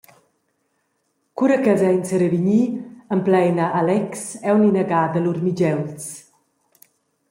Cura ch’els ein serevegni, empleina Alex aunc inagada lur migeuls.